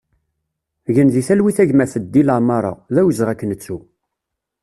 Gen di talwit a gma Feddi Lamara, d awezɣi ad k-nettu!